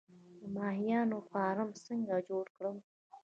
د ماهیانو فارم څنګه جوړ کړم؟